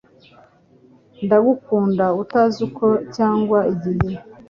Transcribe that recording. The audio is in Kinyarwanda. Ndagukunda utazi uko cyangwa igihe